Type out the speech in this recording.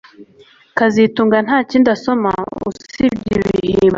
kazitunga ntakindi asoma usibye ibihimbano